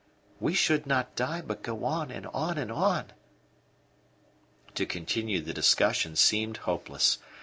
We should not die, but go on, and on, and on." To continue the discussion seemed hopeless.